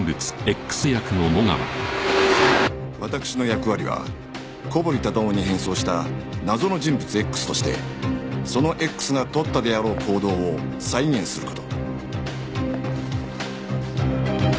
私の役割は小堀忠夫に変装した謎の人物 Ｘ としてその Ｘ が取ったであろう行動を再現する事